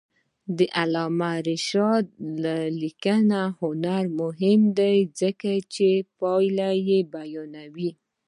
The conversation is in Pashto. د علامه رشاد لیکنی هنر مهم دی ځکه چې پایلې بیانوي.